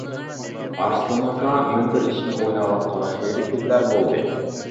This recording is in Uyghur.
ئارسلان ئاكا، مەن بىر ئىشنى ئويلاۋاتقىلى خېلى كۈنلەر بولدى.